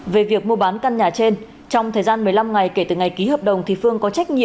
về việc mua bán căn nhà trên trong thời gian một mươi năm ngày kể từ ngày ký hợp đồng